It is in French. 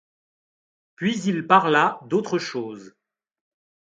Puis il parla d'autre chose.